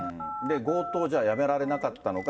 強盗をじゃあ、やめられなかったのか。